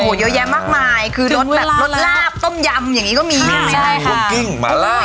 โหโยยมมากมายคือรสแบบรสลาบต้มยำอย่างงี้ก็มีมีวัตกิ้งมะล่า